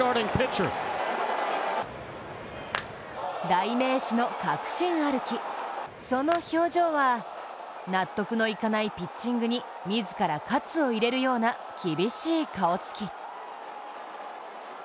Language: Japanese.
代名詞の確信歩き、その表情は納得のいかないピッチングに自ら喝を入れるような厳しい顔つき。